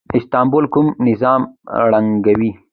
استبداد کول نظام ړنګوي